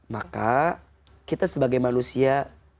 maka kita sebagai manusia